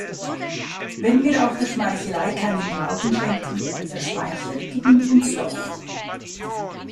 Wenn wir auch der Schmeichelei keinen Glauben schenken, der Schmeichler gewinnt uns doch.